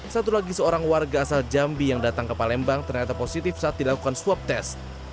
satu lagi seorang warga asal jambi yang datang ke palembang ternyata positif saat dilakukan swab test